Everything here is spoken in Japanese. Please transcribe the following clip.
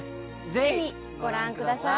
ぜひご覧ください